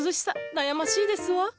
悩ましいですわ。